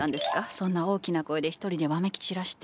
そんな大きな声で一人でわめき散らして。